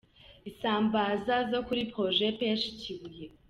Isambaza zo kuri Projet Pêche Kibuye.